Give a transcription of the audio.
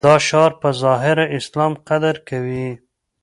دا شعار په ظاهره اسلام قدر کوي.